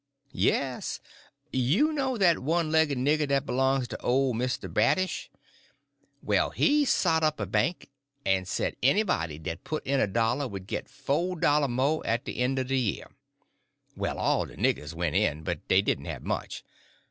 "Yes. You know that one laigged nigger dat b'longs to old Misto Bradish? Well, he sot up a bank, en say anybody dat put in a dollar would git fo' dollars mo' at de en' er de year. Well, all de niggers went in, but dey didn't have much.